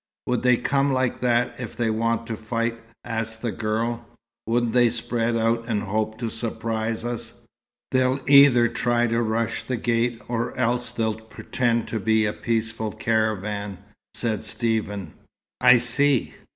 "Would they come like that, if they wanted to fight?" asked the girl. "Wouldn't they spread out, and hope to surprise us?" "They'll either try to rush the gate, or else they'll pretend to be a peaceful caravan," said Stephen. "I see!